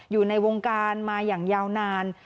อยู่ในวงการมาอย่างยาวนาน